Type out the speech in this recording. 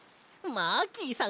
マーキーさん！